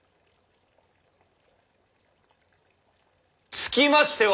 つきましては！